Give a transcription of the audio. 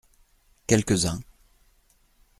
Quelques-uns.